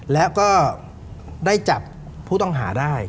แล้วก็ได้จับผู้ต้องหาได้